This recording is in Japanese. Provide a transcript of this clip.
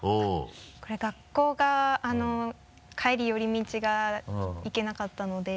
これ学校が帰り寄り道がいけなかったので。